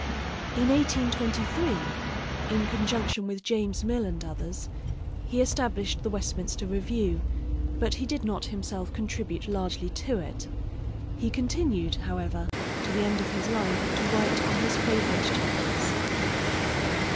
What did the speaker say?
In 1823, in conjunction with James Mill and others, he established the Westminster Review, but he did not himself contribute largely to it. He continued, however, to the end of his life to write on his favorite topics.